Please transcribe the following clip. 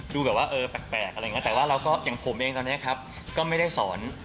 ดูแบบว่าเออแปลกอะไรอย่างนี้แต่ว่าเราก็อย่างผมเองตอนนี้ครับก็ไม่ได้สอน